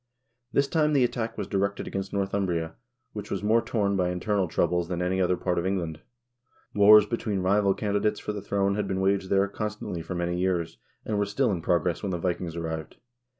This time the attack was directed against Northumbria, which was more torn by internal troubles than any other part of England. Wars between rival candidates for the throne had been waged there con stantly for many years, and were still in progress when the Vikings arrived.